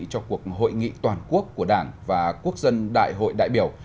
cho cuộc hội nghị toàn quốc của đảng và quốc dân đại hội đại biểu